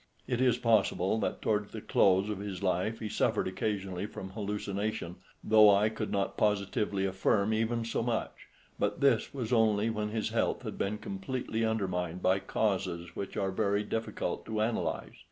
It is possible that towards the close of his life he suffered occasionally from hallucination, though I could not positively affirm even so much; but this was only when his health had been completely undermined by causes which are very difficult to analyse.